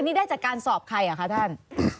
นี่ได้จากการสอบใครเหรอคะท่าน